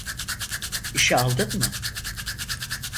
İşi aldın mı?